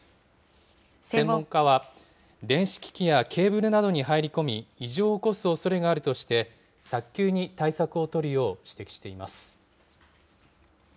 専門家は、電子機器やケーブルなどに入り込み、異常を起こすおそれがあるとして、早急に対策を取るよう指摘しています。